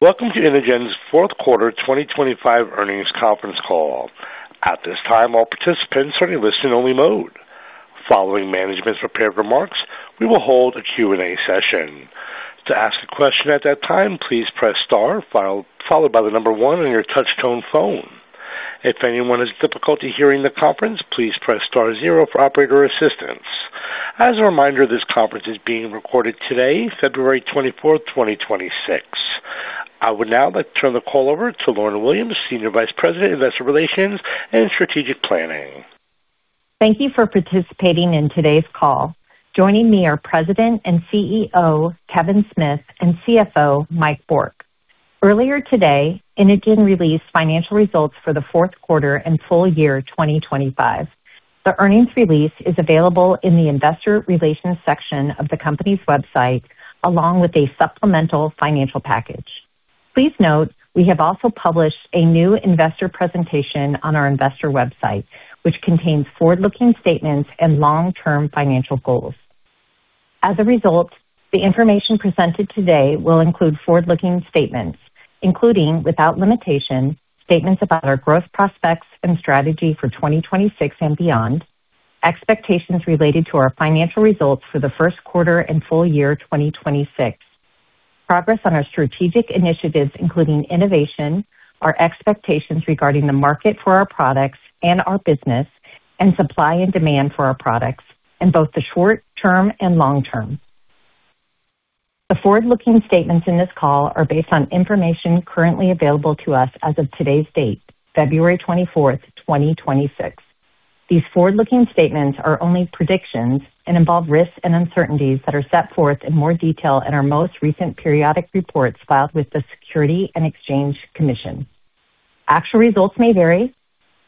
Welcome to Inogen's fourth quarter 2025 earnings conference call. At this time, all participants are in listen-only mode. Following management's prepared remarks, we will hold a Q&A session. To ask a question at that time, please press star, followed by the number one on your touch-tone phone. If anyone has difficulty hearing the conference, please press star zero for Operator Assistance. As a reminder, this conference is being recorded today, February 24th, 2026. I would now like to turn the call over to Lana Williams, Senior Vice President, Investor Relations and Strategic Planning. Thank you for participating in today's call. Joining me are President and CEO, Kevin Smith, and CFO, Mike Bourque. Earlier today, Inogen released financial results for the fourth quarter and full year 2025. The earnings release is available in the investor relations section of the company's website, along with a supplemental financial package. Please note, we have also published a new Investor presentation on our investor website, which contains forward-looking statements and long-term financial goals. As a result, the information presented today will include forward-looking statements, including, without limitation, statements about our growth prospects and strategy for 2026 and beyond, expectations related to our financial results for the first quarter and full year 2026. Progress on our Strategic Initiatives, including innovation, our expectations regarding the market for our products and our business, and supply and demand for our products in both the short term and long term. The forward-looking statements in this call are based on information currently available to us as of today's date, February 24, 2026. These forward-looking statements are only predictions and involve risks and uncertainties that are set forth in more detail in our most recent periodic reports filed with the Securities and Exchange Commission. Actual results may vary,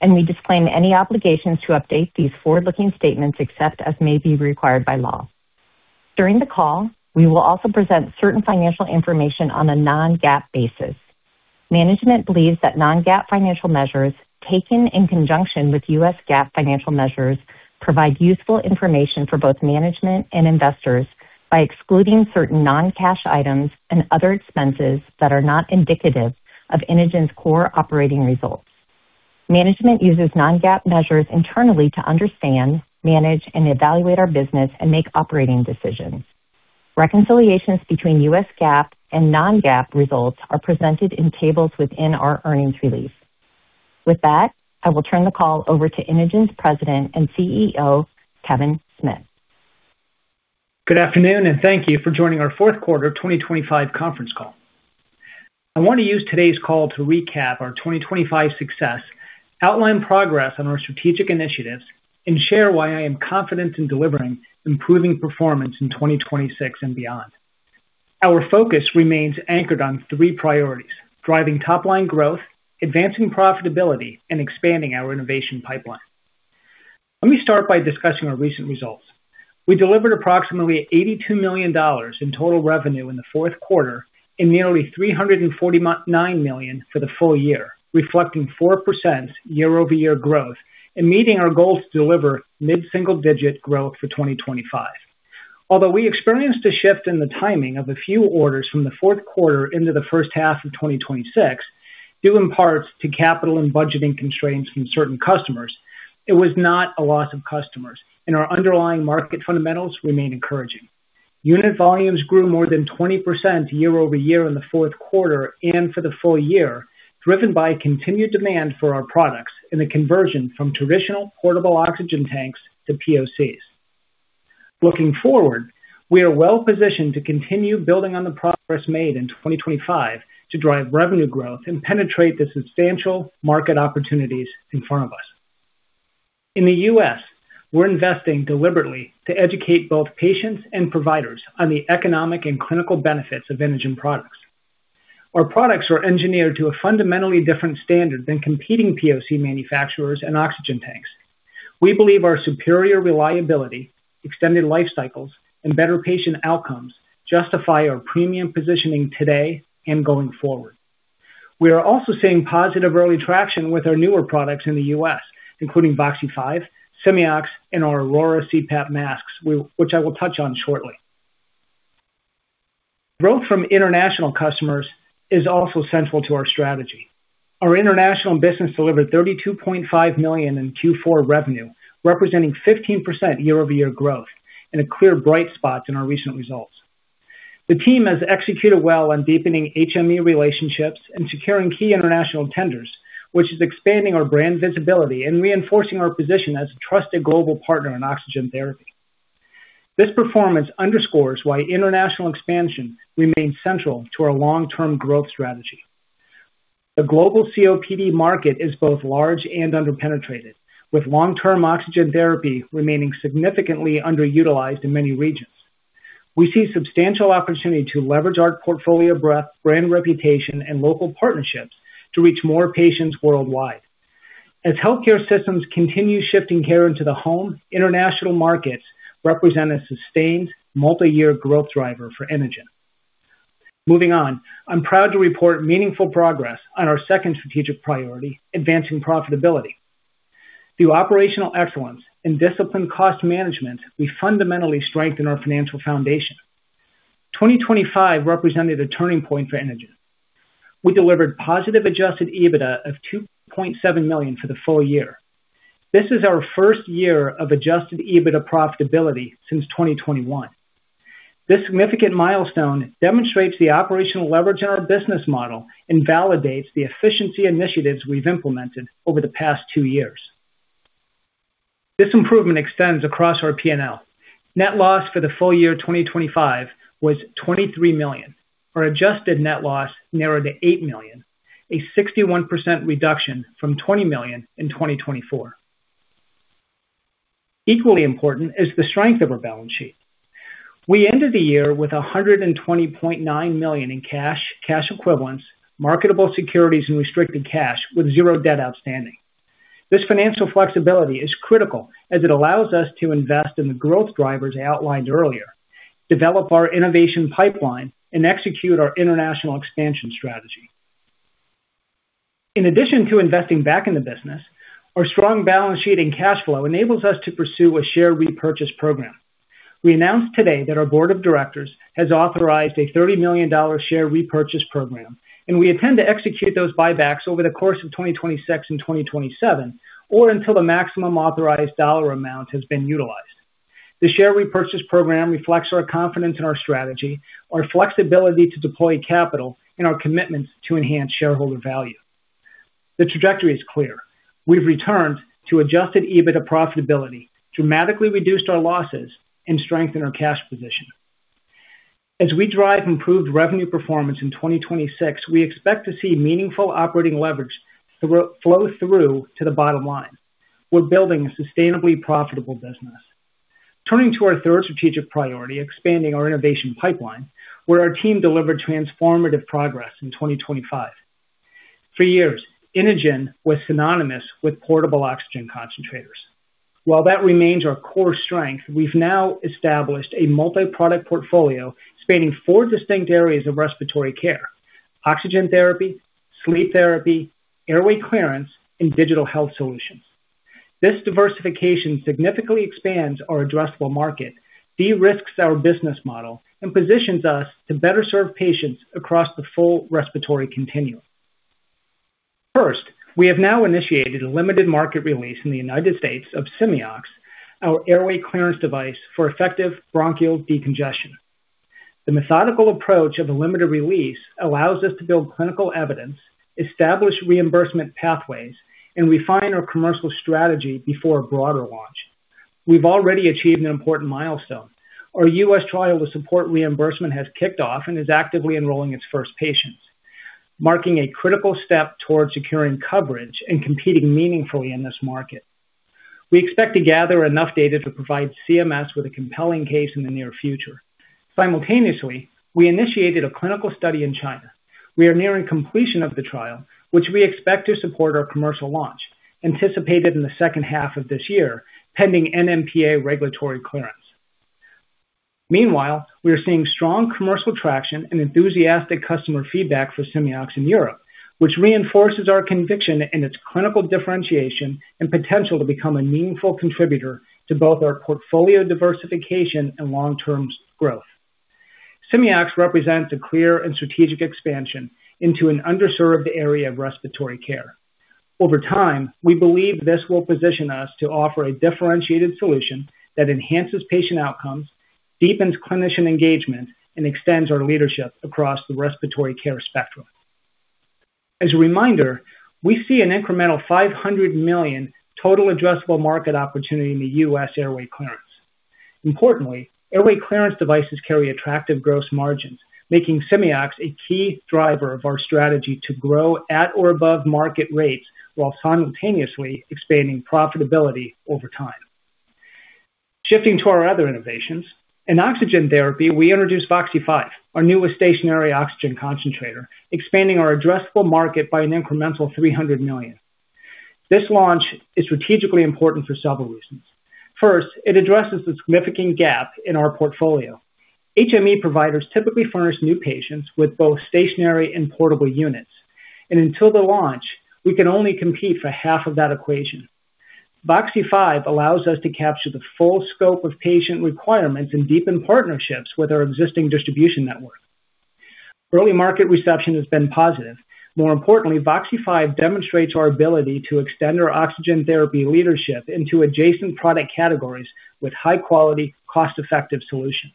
and we disclaim any obligations to update these forward-looking statements except as may be required by law. During the call, we will also present certain financial information on a Non-GAAP basis. Management believes that Non-GAAP financial measures, taken in conjunction with U.S. GAAP financial measures, provide useful information for both management and investors by excluding certain non-cash items and other expenses that are not indicative of Inogen's core operating results. Management uses Non-GAAP measures internally to understand, manage, and evaluate our business and make operating decisions. Reconciliations between U.S. GAAP and Non-GAAP results are presented in tables within our earnings release. With that, I will turn the call over to Inogen's President and CEO, Kevin Smith. Good afternoon, thank you for joining our fourth quarter 2025 conference call. I want to use today's call to recap our 2025 success, outline progress on our strategic initiatives, and share why I am confident in delivering improving performance in 2026 and beyond. Our focus remains anchored on three priorities: driving top-line growth, advancing profitability, and expanding our innovation pipeline. Let me start by discussing our recent results. We delivered approximately $82 million in total revenue in the fourth quarter and nearly $349 million for the full year, reflecting 4% year-over-year growth and meeting our goal to deliver mid-single digit growth for 2025. Although we experienced a shift in the timing of a few orders from the fourth quarter into the first half of 2026, due in part to capital and budgeting constraints from certain customers, it was not a loss of customers. Our underlying market fundamentals remain encouraging. Unit volumes grew more than 20% year-over-year in the fourth quarter and for the full year, driven by continued demand for our products and the conversion from traditional portable Oxygen tanks to POCs. Looking forward, we are well positioned to continue building on the progress made in 2025 to drive revenue growth and penetrate the substantial market opportunities in front of us. In the U.S., we're investing deliberately to educate both patients and providers on the economic and clinical benefits of Inogen products. Our products are engineered to a fundamentally different standard than competing POC manufacturers and Oxygen tanks. We believe our superior reliability, extended life cycles, and better patient outcomes justify our premium positioning today and going forward. We are also seeing positive early traction with our newer products in the U.S., including Voxi 5, Simeox, and our Aurora CPAP masks, which I will touch on shortly. Growth from international customers is also central to our strategy. Our International business delivered $32.5 million in Q4 revenue, representing 15% year-over-year growth and a clear, bright spot in our recent results. The team has executed well on deepening HME relationships and securing key International tenders, which is expanding our brand visibility and reinforcing our position as a trusted global partner in Oxygen therapy. This performance underscores why international expansion remains central to our long-term growth strategy. The global COPD market is both large and underpenetrated, with long-term Oxygen therapy remaining significantly underutilized in many regions. We see substantial opportunity to leverage our portfolio breadth, brand reputation, and local partnerships to reach more patients worldwide. As Healthcare Systems continue shifting care into the home, international markets represent a sustained multi-year growth driver for Inogen. Moving on, I'm proud to report meaningful progress on our second strategic priority, advancing profitability. Through operational excellence and disciplined cost management, we fundamentally strengthen our financial foundation. 2025 represented a turning point for Inogen. We delivered positive Adjusted EBITDA of $2.7 million for the full year. This is our first year of Adjusted EBITDA profitability since 2021. This significant milestone demonstrates the operational leverage in our business model and validates the efficiency initiatives we've implemented over the past two years. This improvement extends across our P&L. Net loss for the full year 2025 was $23 million. Our adjusted net loss narrowed to $8 million, a 61% reduction from $20 million in 2024. Equally important is the strength of our balance sheet. We ended the year with $120.9 million in cash equivalents, marketable securities, and restricted cash, with zero debt outstanding. This financial flexibility is critical as it allows us to invest in the growth drivers outlined earlier, develop our innovation pipeline, and execute our international expansion strategy. In addition to investing back in the business, our strong balance sheet and cash flow enables us to pursue a share repurchase program. We announced today that our Board of Directors has authorized a $30 million share repurchase program, and we intend to execute those buybacks over the course of 2026 and 2027, or until the maximum authorized dollar amount has been utilized. The share repurchase program reflects our confidence in our strategy, our flexibility to deploy capital, and our commitment to enhance shareholder value. The trajectory is clear. We've returned to Adjusted EBITDA profitability, dramatically reduced our losses, and strengthened our cash position. As we drive improved revenue performance in 2026, we expect to see meaningful operating leverage flow through to the bottom line. We're building a sustainably profitable business. Turning to our third strategic priority, expanding our innovation pipeline, where our team delivered transformative progress in 2025. For years, Inogen was synonymous with portable Oxygen concentrators. While that remains our core strength, we've now established a multi-product portfolio spanning four distinct areas of respiratory care: Oxygen Therapy, Sleep Therapy, Airway Clearance, and Digital Health Solutions. This diversification significantly expands our addressable market, de-risks our business model, and positions us to better serve patients across the full respiratory continuum. We have now initiated a limited market release in the United States of Simeox, our airway clearance device for effective bronchial decongestion. The methodical approach of a limited release allows us to build clinical evidence, establish reimbursement pathways, and refine our commercial strategy before a broader launch. We've already achieved an important milestone. Our U.S. trial to support reimbursement has kicked off and is actively enrolling its first patients, marking a critical step towards securing coverage and competing meaningfully in this market. We expect to gather enough data to provide CMS with a compelling case in the near future. Simultaneously, we initiated a clinical study in China. We are nearing completion of the trial, which we expect to support our commercial launch, anticipated in the second half of this year, pending NMPA regulatory clearance. Meanwhile, we are seeing strong Commercial Traction and Enthusiastic customer feedback for Simeox in Europe, which reinforces our conviction in its clinical differentiation and potential to become a meaningful contributor to both our portfolio diversification and long-term growth. Simeox represents a clear and strategic expansion into an underserved area of respiratory care. Over time, we believe this will position us to offer a differentiated solution that enhances patient outcomes, deepens clinician engagement, and extends our leadership across the Respiratory Care Spectrum. As a reminder, we see an incremental $500 million total addressable market opportunity in the U.S. airway clearance. Importantly, airway clearance devices carry attractive gross margins, making Simeox a key driver of our strategy to grow at or above market rates while simultaneously expanding profitability over time. Shifting to our other innovations. In Oxygen therapy, we introduced Voxi 5, our newest stationary Oxygen concentrator, expanding our addressable market by an incremental $300 million. This launch is strategically important for several reasons. First, it addresses the significant gap in our portfolio. HME providers typically furnish new patients with both stationary and portable units. Until the launch, we can only compete for half of that equation. Voxi 5 allows us to capture the full scope of patient requirements and deepen partnerships with our existing distribution network. Early market reception has been positive. More importantly, Voxi 5 demonstrates our ability to extend our Oxygen Therapy leadership into adjacent product categories with high-quality, cost-effective solutions.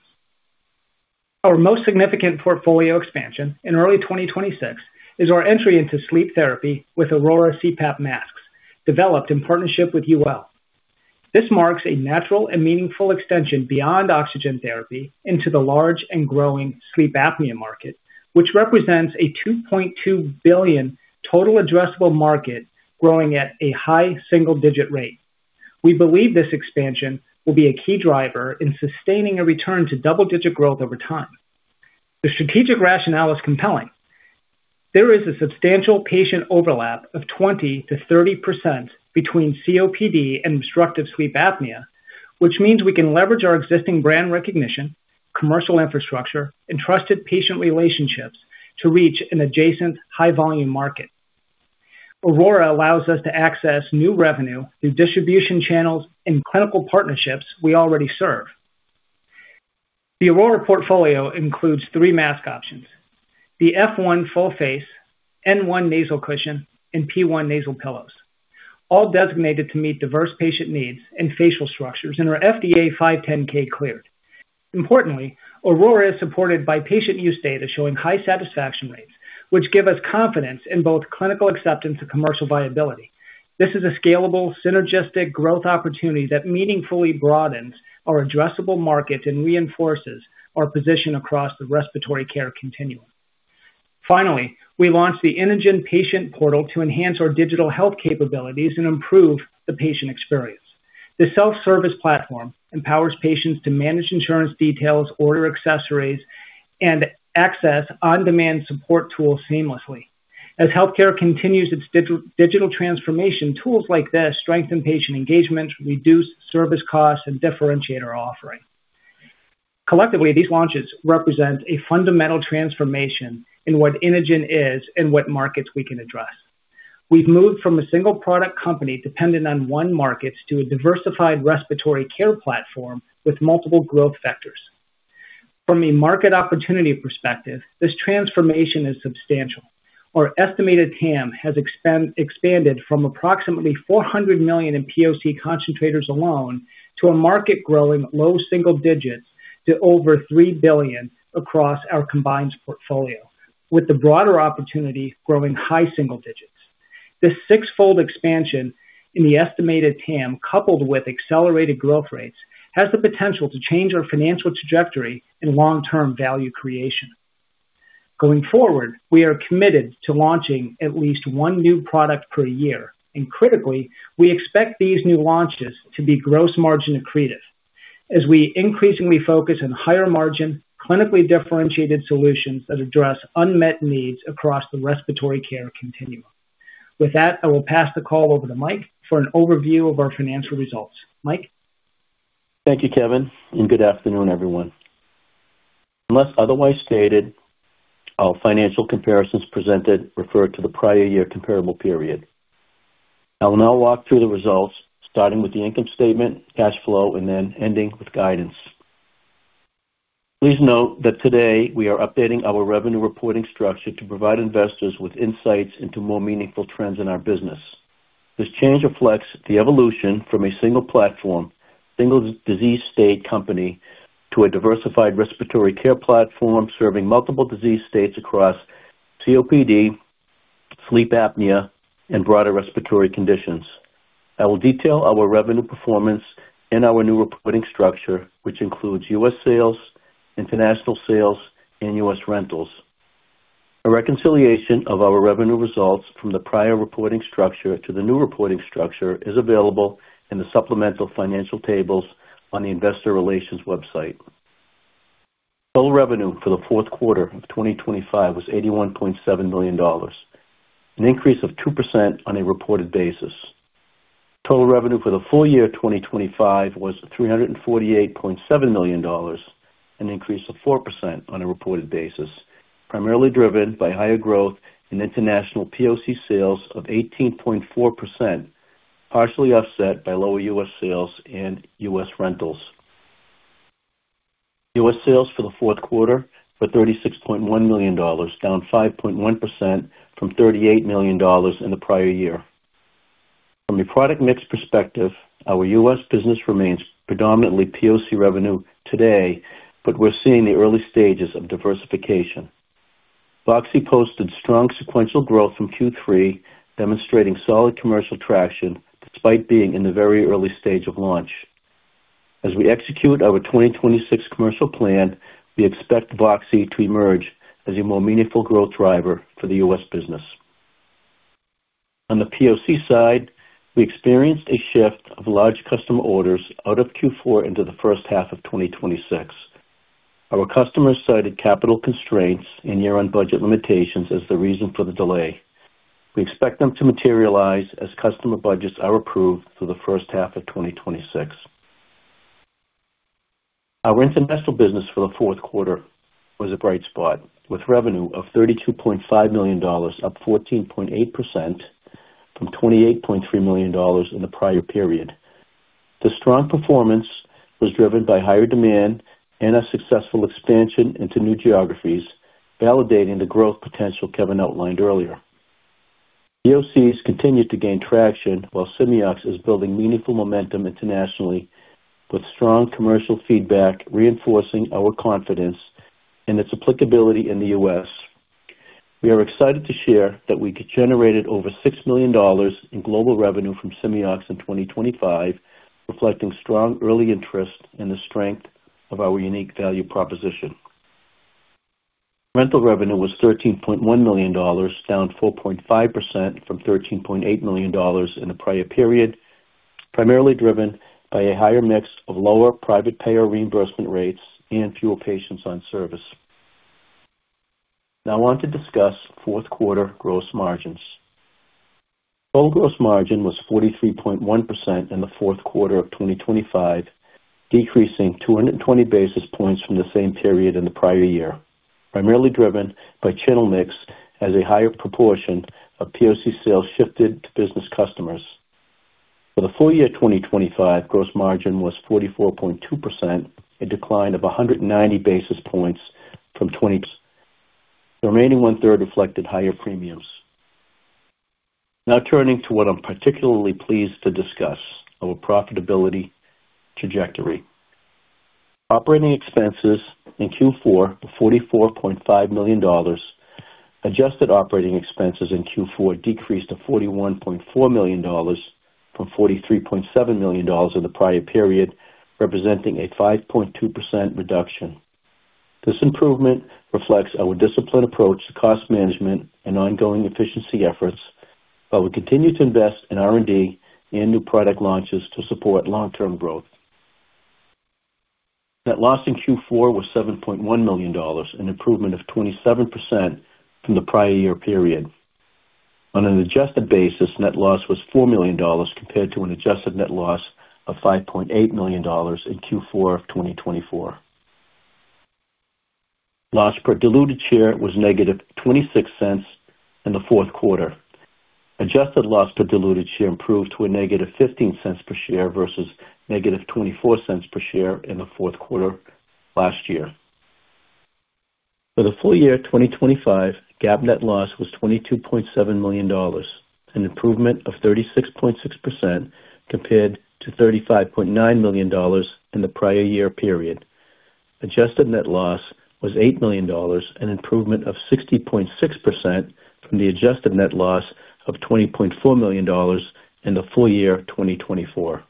Our most significant portfolio expansion in early 2026 is our entry into sleep therapy with Aurora CPAP masks, developed in partnership with UL. This marks a natural and meaningful extension beyond Oxygen therapy into the large and growing sleep apnea market, which represents a $2.2 billion total addressable market growing at a high single-digit rate. We believe this expansion will be a key driver in sustaining a return to double-digit growth over time. The strategic rationale is compelling. There is a substantial patient overlap of 20%-30% between COPD and Obstructive Sleep Apnea. Which means we can leverage our existing brand recognition, commercial infrastructure and trusted patient relationships to reach an adjacent high volume market. Aurora allows us to access new revenue through distribution channels and clinical partnerships we already serve. The Aurora portfolio includes three mask options, the F1 full face, N1 nasal cushion, and P1 Nasal Pillows, all designated to meet diverse patient needs and facial structures, and are FDA 510(k) cleared. Importantly, Aurora is supported by patient use data showing high satisfaction rates, which give us confidence in both clinical acceptance and commercial viability. This is a scalable, synergistic growth opportunity that meaningfully broadens our addressable markets and reinforces our position across the respiratory care continuum. Finally, we launched the Inogen Patient Portal to enhance our digital health capabilities and improve the patient experience. This self-service platform empowers patients to manage insurance details, order accessories, and access on-demand support tools seamlessly. As healthcare continues its digital transformation, tools like this strengthen patient engagement, reduce service costs and differentiate our offering. Collectively, these launches represent a fundamental transformation in what Inogen is and what markets we can address. We've moved from a single product company dependent on one market, to a diversified respiratory care platform with multiple growth vectors. From a market opportunity perspective, this transformation is substantial. Our estimated TAM has expanded from approximately $400 million in POC concentrators alone, to a market growing low single digits to over $3 billion across our combined portfolio, with the broader opportunity growing high single digits. This sixfold expansion in the estimated TAM, coupled with accelerated growth rates, has the potential to change our financial trajectory and long-term value creation. Going forward, we are committed to launching at least one new product per year, and critically, we expect these new launches to be gross margin accretive as we increasingly focus on higher margin, clinically differentiated solutions that address unmet needs across the Respiratory care continuum. With that, I will pass the call over to Mike for an overview of our financial results. Mike? Thank you, Kevin, and good afternoon, everyone. Unless otherwise stated, our financial comparisons presented refer to the prior year comparable period. I will now walk through the results, starting with the income statement, cash flow, and then ending with guidance. Please note that today we are updating our revenue reporting structure to provide investors with insights into more meaningful trends in our business. This change reflects the evolution from a single platform, single disease state company to a diversified respiratory care platform, serving multiple disease states across COPD, sleep apnea, and broader respiratory conditions. I will detail our revenue performance in our new reporting structure, which includes U.S. sales, International Sales, and U.S. rentals. A reconciliation of our revenue results from the prior reporting structure to the new reporting structure is available in the supplemental financial tables on the investor relations website. Total revenue for the fourth quarter of 2025 was $81.7 million, an increase of 2% on a reported basis. Total revenue for the full year 2025 was $348.7 million, an increase of 4% on a reported basis, primarily driven by higher growth in international POC sales of 18.4%, partially offset by lower U.S. sales and U.S. rentals. U.S. sales for the fourth quarter were $36.1 million, down 5.1% from $38 million in the prior year. From a product mix perspective, our U.S. business remains predominantly POC revenue today, but we're seeing the early stages of diversification. Voxi posted strong sequential growth from Q3, demonstrating solid commercial traction despite being in the very early stage of launch. As we execute our 2026 commercial plan, we expect Voxi to emerge as a more meaningful growth driver for the U.S. business. On the POC side, we experienced a shift of large customer orders out of Q4 into the first half of 2026. Our customers cited capital constraints and year-end budget limitations as the reason for the delay. We expect them to materialize as customer budgets are approved for the first half of 2026. Our rental business for the fourth quarter was a bright spot, with revenue of $32.5 million, up 14.8% from $28.3 million in the prior period. The strong performance was driven by higher demand and a successful expansion into new geographies, validating the growth potential Kevin outlined earlier. POCs continued to gain traction, while Simeox is building meaningful momentum internationally, with strong commercial feedback, reinforcing our confidence in its applicability in the U.S.. We are excited to share that we generated over $6 million in global revenue from Simeox in 2025, reflecting strong early interest in the strength of our unique value proposition. Rental revenue was $13.1 million, down 4.5% from $13.8 million in the prior period, primarily driven by a higher mix of lower private payer reimbursement rates and fewer patients on service. I want to discuss fourth quarter gross margins. Total gross margin was 43.1% in the fourth quarter of 2025, decreasing 220 basis points from the same period in the prior year, primarily driven by channel mix as a higher proportion of POC sales shifted to business customers. For the full year 2025, gross margin was 44.2%, a decline of 190 basis points from 20. The remaining one-third reflected higher premiums. Turning to what I'm particularly pleased to discuss, our profitability trajectory. Operating expenses in Q4 were $44.5 million. Adjusted operating expenses in Q4 decreased to $41.4 million from $43.7 million in the prior period, representing a 5.2% reduction. This improvement reflects our disciplined approach to cost management and ongoing efficiency efforts, while we continue to invest in R&D and new product launches to support long-term growth. Net loss in Q4 was $7.1 million, an improvement of 27% from the prior year period. On an adjusted basis, net loss was $4 million, compared to an adjusted net loss of $5.8 million in Q4 of 2024. Loss per diluted share was -$0.26 in the fourth quarter. Adjusted loss per diluted share improved to -$0.15 per share versus -$0.24 per share in the fourth quarter last year. For the full year 2025, GAAP net loss was $22.7 million, an improvement of 36.6% compared to $35.9 million in the prior year period. Adjusted net loss was $8 million, an improvement of 60.6% from the adjusted net loss of $20.4 million in the full year of 2024.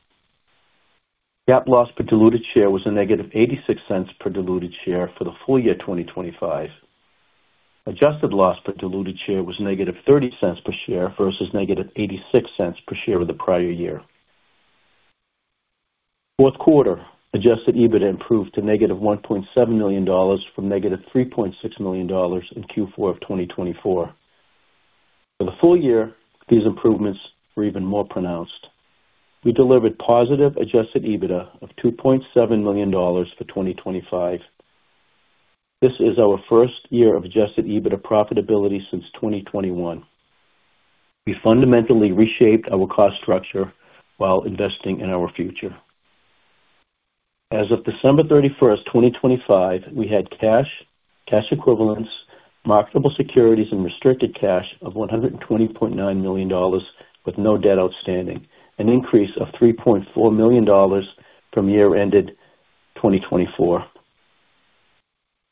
GAAP loss per diluted share was -$0.86 per diluted share for the full year 2025. Adjusted loss per diluted share was negative $0.30 per share versus negative $0.86 per share in the prior year. Fourth quarter, Adjusted EBITDA improved to negative $1.7 million from -$3.6 million in Q4 of 2024. For the full year, these improvements were even more pronounced. We delivered positive Adjusted EBITDA of $2.7 million for 2025. This is our first year of Adjusted EBITDA profitability since 2021. We fundamentally reshaped our cost structure while investing in our future. As of December 31, 2025, we had cash equivalents, marketable securities, and restricted cash of $120.9 million with no debt outstanding, an increase of $3.4 million from year ended 2024.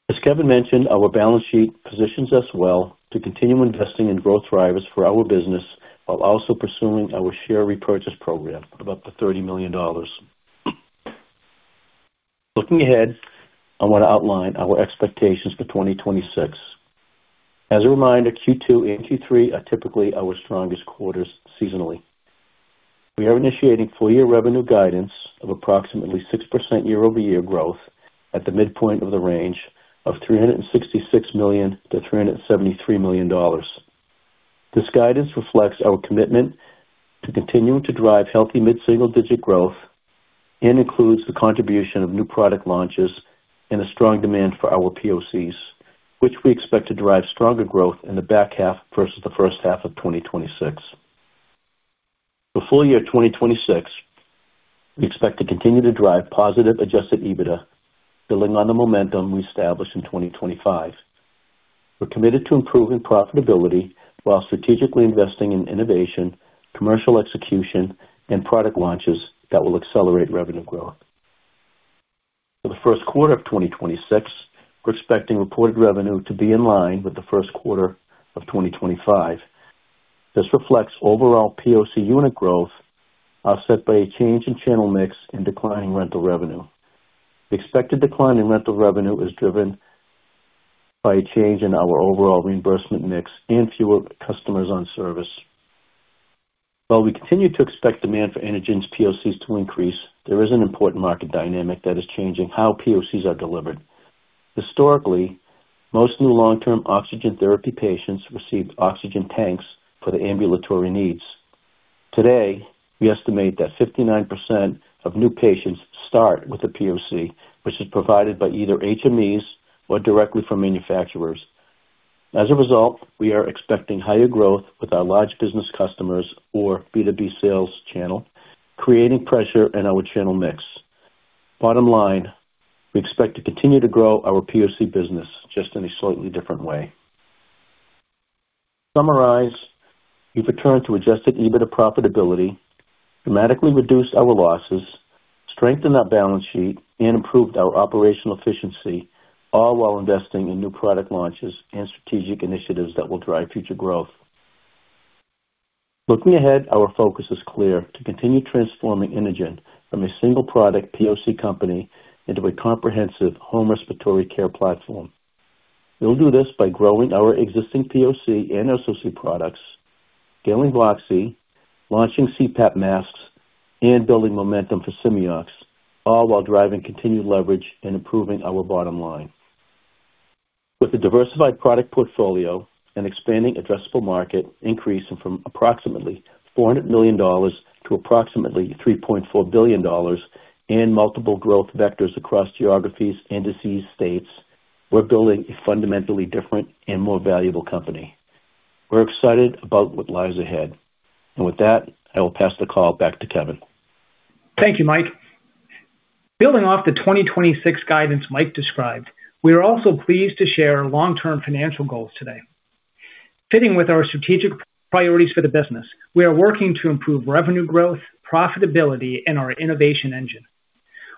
As Kevin mentioned, our balance sheet positions us well to continue investing in growth drivers for our business, while also pursuing our share repurchase program of up to $30 million. Looking ahead, I want to outline our expectations for 2026. As a reminder, Q2 and Q3 are typically our strongest quarters seasonally. We are initiating full year revenue guidance of approximately 6% year-over-year growth at the midpoint of the range of $366 million-$373 million. This guidance reflects our commitment to continuing to drive healthy mid-single-digit growth and includes the contribution of new product launches and a strong demand for our POCs, which we expect to drive stronger growth in the back half versus the first half of 2026. For full year 2026, we expect to continue to drive positive Adjusted EBITDA, building on the momentum we established in 2025. We're committed to improving profitability while strategically investing in innovation, commercial execution, and product launches that will accelerate revenue growth. For the first quarter of 2026, we're expecting reported revenue to be in line with the first quarter of 2025. This reflects overall POC unit growth, offset by a change in channel mix and declining rental revenue. The expected decline in rental revenue is driven by a change in our overall reimbursement mix and fewer customers on service. While we continue to expect demand for Inogen's POCs to increase, there is an important market dynamic that is changing how POCs are delivered. Historically, most new long-term Oxygen therapy patients received Oxygen tanks for their ambulatory needs. Today, we estimate that 59% of new patients start with a POC, which is provided by either HMEs or directly from manufacturers. As a result, we are expecting higher growth with our large business customers or B2B sales channel, creating pressure in our channel mix. Bottom line, we expect to continue to grow our POC business just in a slightly different way. To summarize, we've returned to Adjusted EBITDA profitability, dramatically reduced our losses, strengthened our balance sheet, and improved our operational efficiency, all while investing in new product launches and strategic initiatives that will drive future growth. Looking ahead, our focus is clear: to continue transforming Inogen from a single product POC company into a comprehensive home respiratory care platform. We'll do this by growing our existing POC and SOC products. Scaling our SOCs, launching CPAP masks, and building momentum for Simeox, all while driving continued leverage and improving our bottom line. With a diversified product portfolio and expanding addressable market, increasing from approximately $400 million to approximately $3.4 billion in multiple growth vectors across geographies and disease states, we're building a fundamentally different and more valuable company. We're excited about what lies ahead. With that, I will pass the call back to Kevin. Thank you, Mike. Building off the 2026 guidance Mike described, we are also pleased to share our long-term financial goals today. Fitting with our strategic priorities for the business, we are working to improve revenue growth, profitability, and our innovation engine.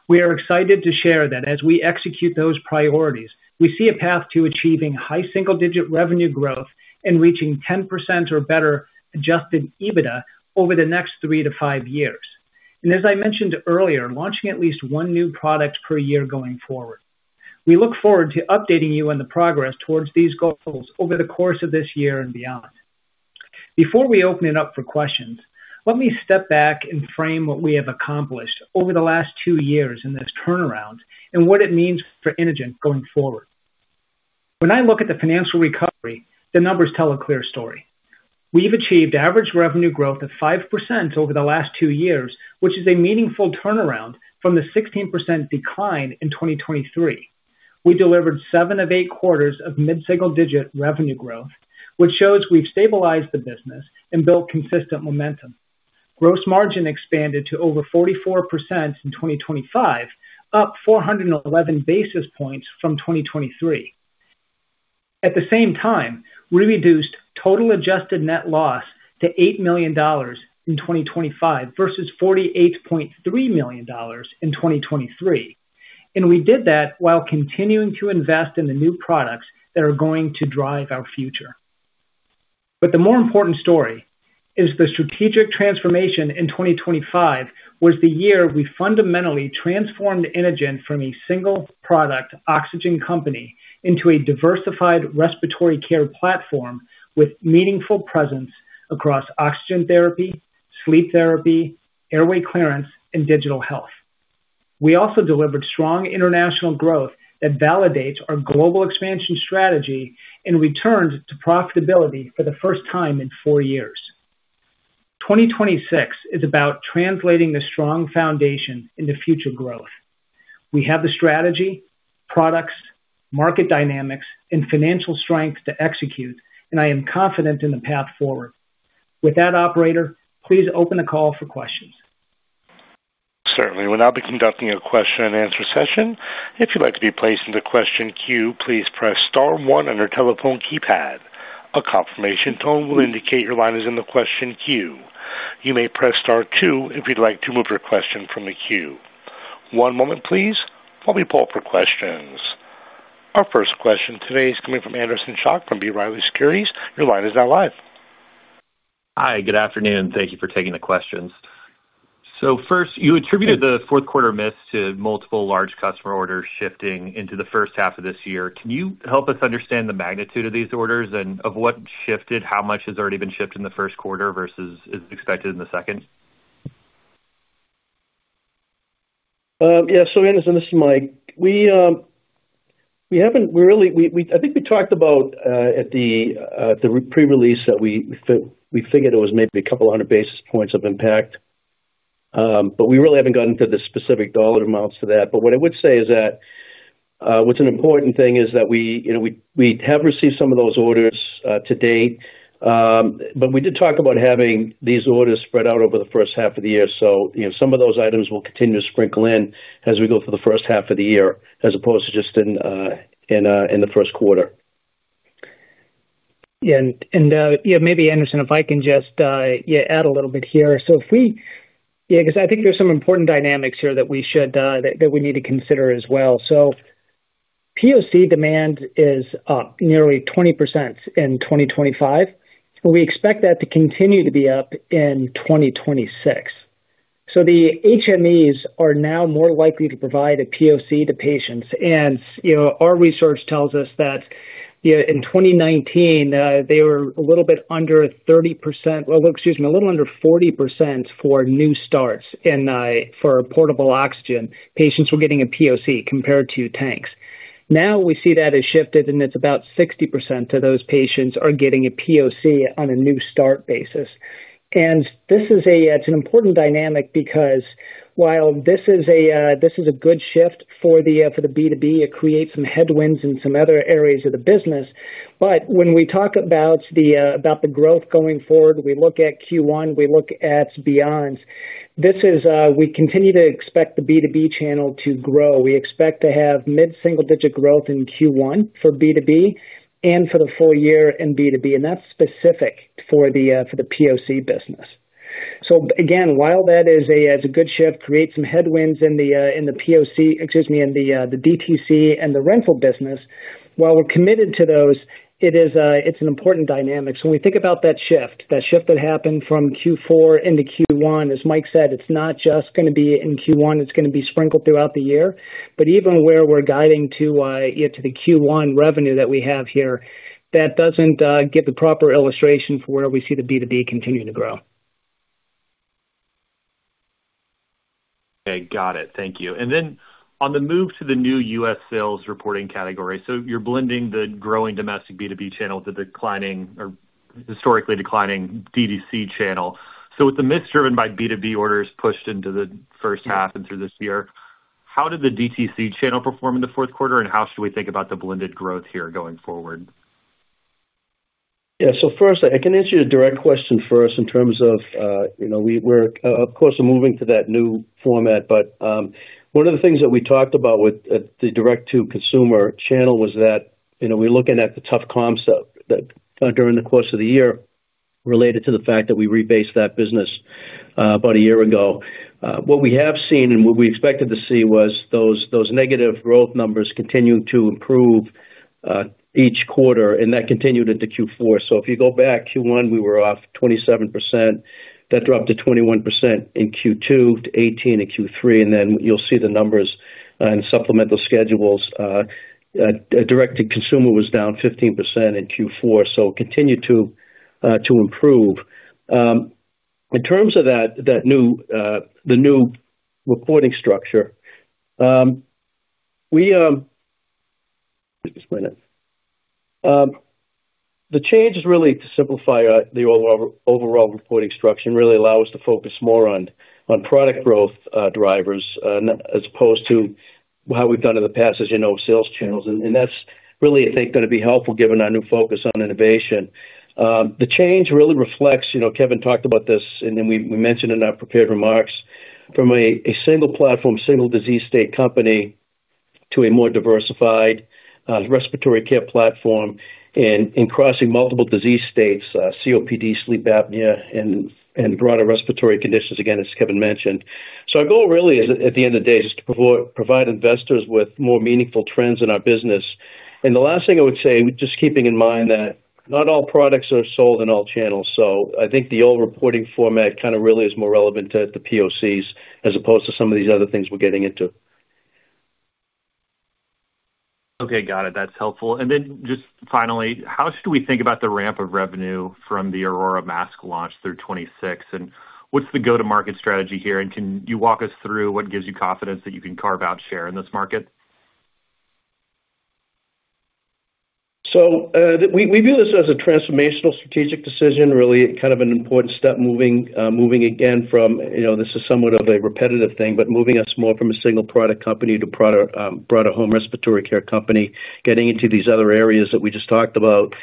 We are excited to share that as we execute those priorities, we see a path to achieving high single-digit revenue growth and reaching 10% or better Adjusted EBITDA over the next three to five years. As I mentioned earlier, launching at least one new product per year going forward. We look forward to updating you on the progress towards these goals over the course of this year and beyond. Before we open it up for questions, let me step back and frame what we have accomplished over the last 2 years in this turnaround and what it means for Inogen going forward. When I look at the financial recovery, the numbers tell a clear story. We've achieved average revenue growth of 5% over the last 2 years, which is a meaningful turnaround from the 16% decline in 2023. We delivered seven of eight quarters of mid-single-digit revenue growth, which shows we've stabilized the business and built consistent momentum. Gross margin expanded to over 44% in 2025, up 411 basis points from 2023. At the same time, we reduced total adjusted net loss to $8 million in 2025 versus $48.3 million in 2023, and we did that while continuing to invest in the new products that are going to drive our future. The more important story is the strategic transformation in 2025 was the year we fundamentally transformed Inogen from a single-product Oxygen company into a diversified respiratory care platform with meaningful presence across Oxygen therapy, sleep therapy, airway clearance, and digital health. We also delivered strong international growth that validates our global expansion strategy and returned to profitability for the first time in four years. 2026 is about translating the strong foundation into future growth. We have the strategy, products, market dynamics, and financial strength to execute. I am confident in the path forward. With that, Operator, please open the call for questions. Certainly. We'll now be conducting a question-and-answer session. If you'd like to be placed in the question queue, please press star one on your telephone keypad. A confirmation tone will indicate your line is in the question queue. You may press star two if you'd like to remove your question from the queue. One moment please, while we pull for questions. Our first question today is coming from Anderson Schock from B. Riley Securities. Your line is now live. Hi, good afternoon. Thank you for taking the questions. First, you attributed the fourth quarter miss to multiple large customer orders shifting into the first half of this year. Can you help us understand the magnitude of these orders and of what shifted? How much has already been shipped in the first quarter versus is expected in the second? Yeah. Anderson, this is Mike. We haven't, we really, we, I think we talked about at the pre-release, that we figured it was maybe a couple hundred basis points of impact. We really haven't gotten to the specific dollar amounts for that. What I would say is that what's an important thing is that we, you know, we have received some of those orders to date. We did talk about having these orders spread out over the first half of the year. You know, some of those items will continue to sprinkle in as we go through the first half of the year, as opposed to just in the first quarter. Maybe Anderson, if I can just add a little bit here. I think there are some important dynamics here that we should that we need to consider as well. POC demand is up nearly 20% in 2025, and we expect that to continue to be up in 2026. The HMEs are now more likely to provide a POC to patients. You know, our research tells us that in 2019, they were a little bit under 30%... Well, excuse me, a little under 40% for new starts in for portable Oxygen. Patients were getting a POC compared to tanks. We see that has shifted, and it's about 60% of those patients are getting a POC on a new start basis. This is, it's an important dynamic because while this is, this is a good shift for the B2B, it creates some headwinds in some other areas of the business. When we talk about the growth going forward, we look at Q1, we look at beyond. This is, we continue to expect the B2B channel to grow. We expect to have mid-single-digit growth in Q1 for B2B and for the full year in B2B, and that's specific for the POC business. Again, while that is, it's a good shift, creates some headwinds in the POC, excuse me, in the DTC and the rental business, while we're committed to those, it is, it's an important dynamic. When we think about that shift, that shift that happened from Q4 into Q1, as Mike said, it's not just going to be in Q1, it's going to be sprinkled throughout the year. Even where we're guiding to, you know, to the Q1 revenue that we have here, that doesn't give the proper illustration for where we see the B2B continuing to grow. Okay, got it. Thank you. On the move to the new U.S. sales reporting category. You're blending the growing domestic B2B channel to declining or historically declining DTC channel. With the mix driven by B2B orders pushed into the first half and through this year, how did the DTC channel perform in the fourth quarter, and how should we think about the blended growth here going forward? First, I can answer your direct question first in terms of, you know, we're, of course, moving to that new format, one of the things that we talked about with the direct-to-consumer channel was that, you know, we're looking at the tough comp stuff that during the course of the year related to the fact that we rebased that business about a year ago. What we have seen and what we expected to see was those negative growth numbers continuing to improve each quarter, and that continued into Q4. If you go back Q1, we were off 27%. That dropped to 21% in Q2, to 18% in Q3, you'll see the numbers in supplemental schedules. Direct-to-consumer was down 15% in Q4, it continued to improve. In terms of that new, the new reporting structure... Just a minute. The change is really to simplify the overall reporting structure and really allow us to focus more on product growth drivers as opposed to how we've done in the past, as you know, sales channels. That's really, I think, going to be helpful given our new focus on innovation. The change really reflects, you know, Kevin talked about this, and then we mentioned in our prepared remarks, from a single platform, single disease state company to a more diversified respiratory care platform and in crossing multiple disease states, COPD, sleep apnea, and broader respiratory conditions, again, as Kevin mentioned. Our goal really is, at the end of the day, is to provide investors with more meaningful trends in our business. The last thing I would say, just keeping in mind that not all products are sold in all channels. I think the old reporting format kind of really is more relevant to the POCs, as opposed to some of these other things we're getting into. Okay, got it. That's helpful. Then just finally, how should we think about the ramp of revenue from the Aurora mask launch through 2026? What's the go-to-market strategy here? Can you walk us through what gives you confidence that you can carve out share in this market? We view this as a transformational strategic decision, really kind of an important step, moving again from, you know, this is somewhat of a repetitive thing, but moving us more from a single product company to product, broader home respiratory care company, getting into these other areas that we just talked about.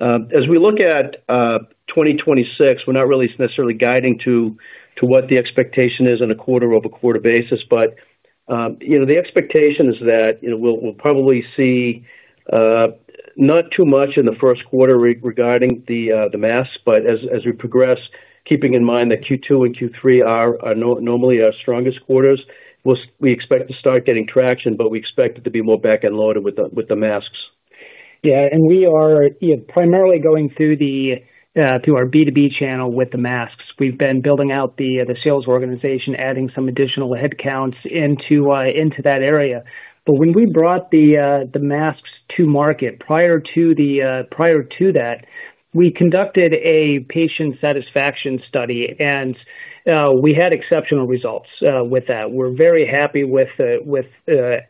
As we look at 2026, we're not really necessarily guiding to what the expectation is on a quarter-over-quarter basis. You know, the expectation is that, you know, we'll probably see, not too much in the first quarter regarding the masks. As we progress, keeping in mind that Q2 and Q3 are normally our strongest quarters, we expect to start getting traction, but we expect it to be more back-end loaded with the masks. Yeah, and we are, you know, primarily going through the through our B2B channel with the masks. We've been building out the the sales organization, adding some additional headcounts into into that area. When we brought the the masks to market prior to the prior to that, we conducted a patient satisfaction study, and we had exceptional results with that. We're very happy with with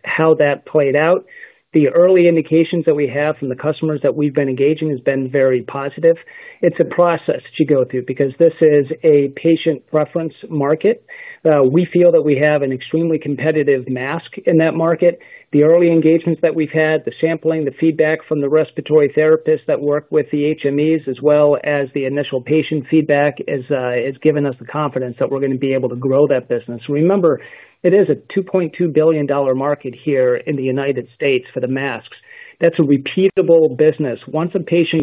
how that played out. The early indications that we have from the customers that we've been engaging has been very positive. It's a process that you go through because this is a patient reference market. We feel that we have an extremely competitive mask in that market. The early engagements that we've had, the sampling, the feedback from the respiratory therapists that work with the HMEs, as well as the initial patient feedback is has given us the confidence that we're going to be able to grow that business. Remember, it is a $2.2 billion market here in the United States for the masks. That's a repeatable business. Once a patient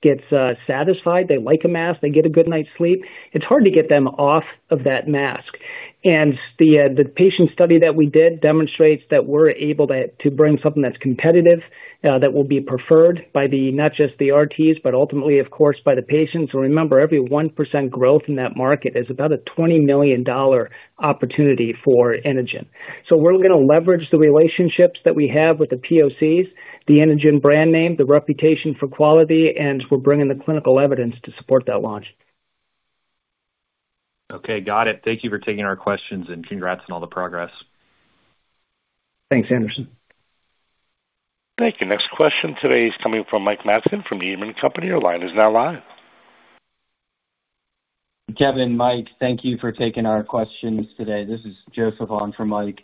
gets satisfied, they like a mask, they get a good night's sleep, it's hard to get them off of that mask. The patient study that we did demonstrates that we're able to bring something that's competitive, that will be preferred not just the RTs, but ultimately, of course, by the patients. Remember, every 1% growth in that market is about a $20 million opportunity for Inogen. We're going to leverage the relationships that we have with the POCs, the Inogen brand name, the reputation for quality, and we're bringing the clinical evidence to support that launch. Okay, got it. Thank you for taking our questions, and congrats on all the progress. Thanks, Anderson. Thank you. Next question today is coming from Mike Matson from Needham & Company. Your line is now live. Kevin, Mike, thank you for taking our questions today. This is Joseph Conway for Mike.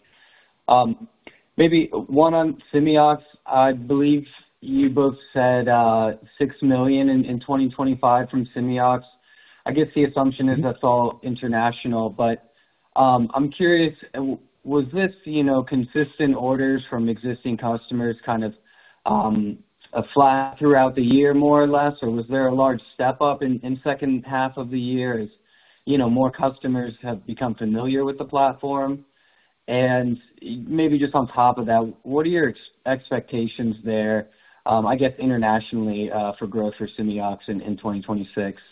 Maybe one on Simeox. I believe you both said, $6 million in 2025 from Simeox. I guess the assumption is that's all international, but I'm curious, was this, you know, consistent orders from existing customers kind of a flat throughout the year, more or less, or was there a large step-up in second half of the year as, you know, more customers have become familiar with the platform? Maybe just on top of that, what are your expectations there, I guess internationally, for growth for Simeox in 2026?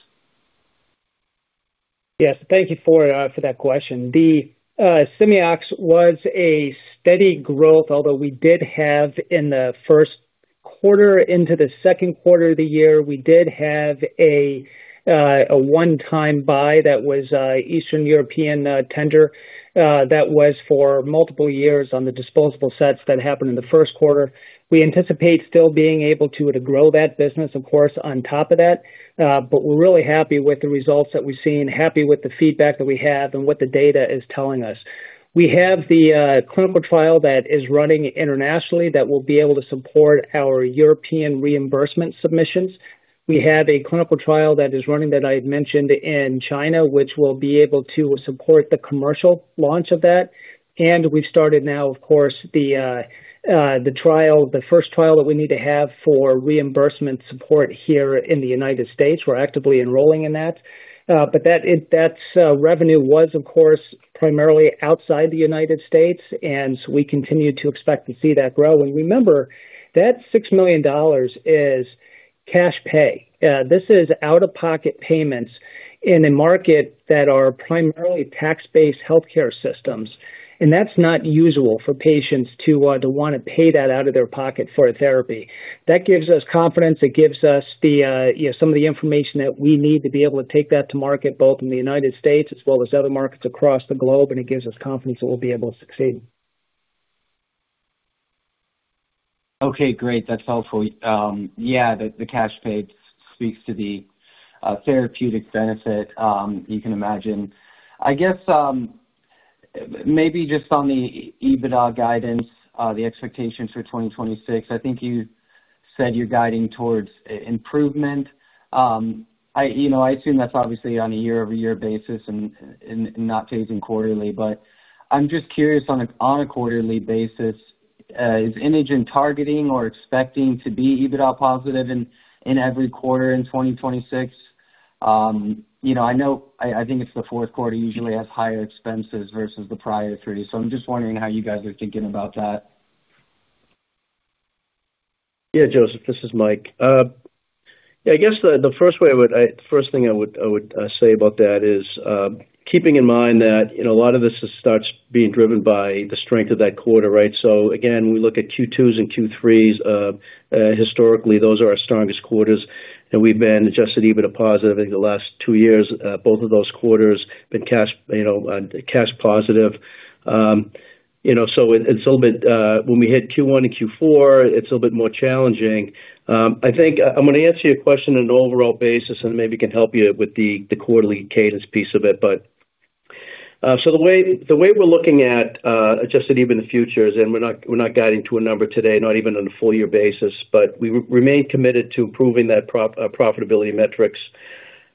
Yes, thank you for that question. The Simeox was a steady growth, although we did have in the first quarter into the second quarter of the year, we did have a one-time buy that was Eastern European tender that was for multiple years on the disposable sets that happened in the first quarter. We anticipate still being able to grow that business, of course, on top of that. We're really happy with the results that we've seen, happy with the feedback that we have and what the data is telling us. We have the clinical trial that is running internationally that will be able to support our European reimbursement submissions. We have a clinical trial that is running that I had mentioned in China, which will be able to support the commercial launch of that. We've started now, of course, the trial, the first trial that we need to have for reimbursement support here in the United States. We're actively enrolling in that. That's revenue was, of course, primarily outside the United States, and so we continue to expect to see that grow. Remember, that $6 million is cash pay. This is out-of-pocket payments in a market that are primarily tax-based healthcare systems, and that's not usual for patients to wanna pay that out of their pocket for a therapy. That gives us confidence. It gives us the, you know, some of the information that we need to be able to take that to market, both in the United States as well as other markets across the globe, and it gives us confidence that we'll be able to succeed. Okay, great. That's helpful. Yeah, the cash paid speaks to the therapeutic benefit, you can imagine. I guess, maybe just on the EBITDA guidance, the expectations for 2026, I think you said you're guiding towards improvement. I, you know, I assume that's obviously on a year-over-year basis and not changing quarterly. I'm just curious, on a quarterly basis, is Inogen targeting or expecting to be EBITDA positive in every quarter in 2026? You know, I know, I think it's the fourth quarter usually has higher expenses versus the prior three, so I'm just wondering how you guys are thinking about that. Yeah, Joseph, this is Mike. Yeah, I guess the first thing I would say about that is, keeping in mind that, you know, a lot of this starts being driven by the strength of that quarter, right? Again, we look at Q2s and Q3s, historically, those are our strongest quarters, and we've been Adjusted EBITDA positive in the last two years. Both of those quarters been cash, you know, cash positive. You know, it's a little bit, when we hit Q1 and Q4, it's a little bit more challenging. I think I'm gonna answer your question on an overall basis, and maybe can help you with the quarterly cadence piece of it. So the way we're looking at Adjusted EBITDA in the future is, and we're not guiding to a number today, not even on a full year basis, but we remain committed to improving that profitability metrics,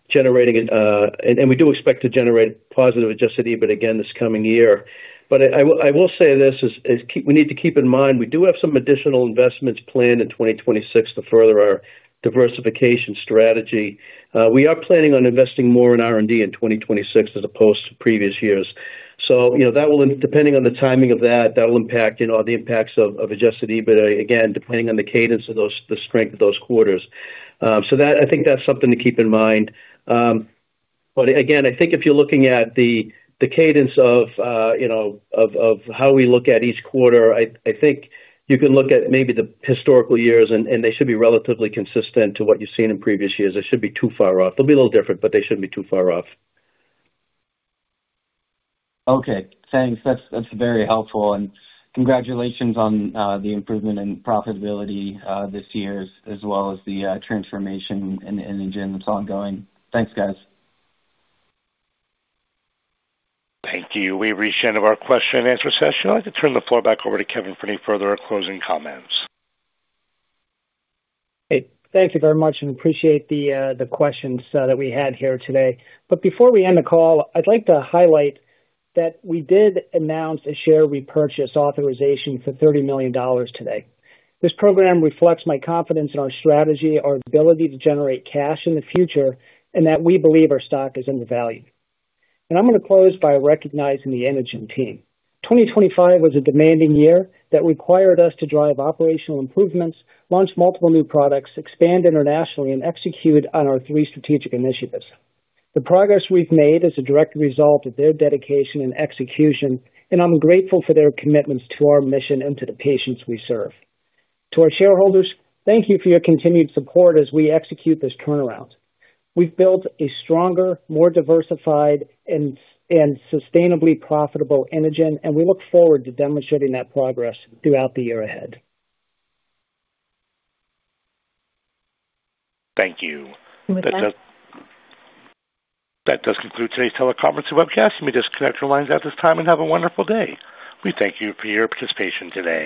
generating, and we do expect to generate positive Adjusted EBITDA again this coming year. I will say this, is, we need to keep in mind, we do have some additional investments planned in 2026 to further our diversification strategy. We are planning on investing more in R&D in 2026 as opposed to previous years. You know, that will, depending on the timing of that will impact, you know, the impacts of Adjusted EBITDA. Again, depending on the cadence of those the strength of those quarters. That, I think that's something to keep in mind. Again, I think if you're looking at the cadence of, you know, of how we look at each quarter, I think you can look at maybe the historical years, and they should be relatively consistent to what you've seen in previous years. They shouldn't be too far off. They'll be a little different, but they shouldn't be too far off. Okay. Thanks. That's very helpful, and congratulations on the improvement in profitability, this year, as well as the transformation in Inogen that's ongoing. Thanks, guys. Thank you. We've reached the end of our question and answer session. I'd like to turn the floor back over to Kevin for any further closing comments. Hey, thank you very much and appreciate the questions that we had here today. Before we end the call, I'd like to highlight that we did announce a share repurchase authorization for $30 million today. This program reflects my confidence in our strategy, our ability to generate cash in the future, and that we believe our stock is undervalued. I'm gonna close by recognizing the Inogen team. 2025 was a demanding year that required us to drive operational improvements, launch multiple new products, expand internationally, and execute on our three strategic initiatives. The progress we've made is a direct result of their dedication and execution, and I'm grateful for their commitments to our mission and to the patients we serve. To our shareholders, thank you for your continued support as we execute this turnaround. We've built a stronger, more diversified and sustainably profitable Inogen, and we look forward to demonstrating that progress throughout the year ahead. Thank you. That does conclude today's teleconference and webcast. You may disconnect your lines at this time and have a wonderful day. We thank you for your participation today.